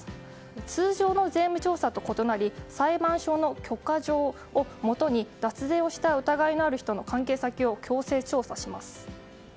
通常の税務調査と異なり裁判所の許可状をもとに脱税をした疑いのある人の関係先を強制調査します。